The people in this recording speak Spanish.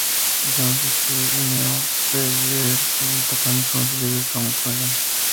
Jones se unió a Red Rider y sigue tocando con su líder Tom Cochrane.